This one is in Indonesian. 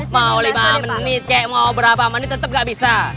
mau lima menit cek mau berapa menit tetep gak bisa